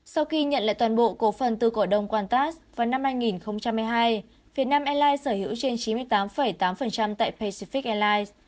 sau khi nhận lại toàn bộ cổ phần từ cổ đông quantas vào năm hai nghìn một mươi hai việt nam airlines sở hữu trên chín mươi tám tám tại pacific airlines